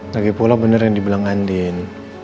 lagipula bener yang dibilang andin